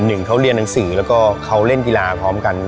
หนึ่งเขาเรียนหนังสือแล้วก็เขาเล่นกีฬาพร้อมกัน